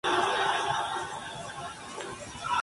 Este último fue liderado por el teniente Cebrián.